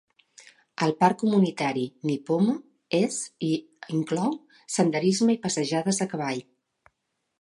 El parc comunitari Nipomo és i inclou senderisme i passejades a cavall.